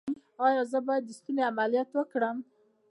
ایا زه باید د ستوني عملیات وکړم؟